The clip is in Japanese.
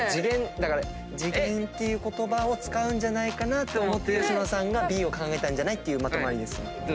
だから次元っていう言葉を使うんじゃないかなって思って吉野さんがＢを考えたんじゃないっていうまとまりです。